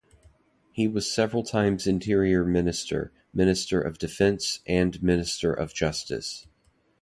He was several times Interior Minister, Minister of Defense and Minister of Justice.